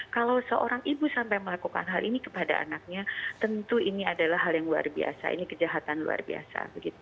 kalau seorang ibu sampai melakukan hal ini kepada anaknya tentu ini adalah hal yang luar biasa ini kejahatan luar biasa